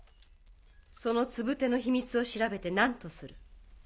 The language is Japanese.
そのツブテの秘密を調べて何とする。